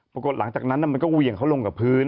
ปรากฏหลังจากนั้นมันก็เหวี่ยงเขาลงกับพื้น